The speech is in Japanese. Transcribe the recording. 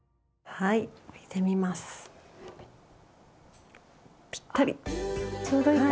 はいちょうどいい。